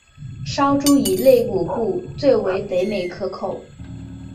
烧猪以肋骨部最为肥美可口。